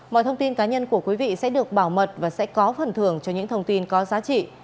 mọi thông tin cá nhân của quý vị sẽ được bảo mật và sẽ có phần thưởng cho những thông tin có giá trị